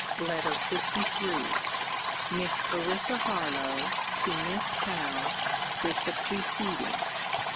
LETTER LIII MISS CLARISSA HARLOWE, TO MISS HOWE [WITH THE PRECEDING.